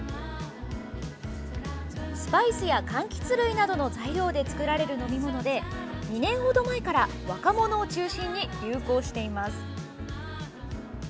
スパイスや、かんきつ類などの材料で作られる飲み物で２年程前から若者を中心に流行しています。